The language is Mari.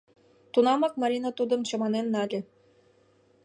Тунамак Марина тудым чаманен нале.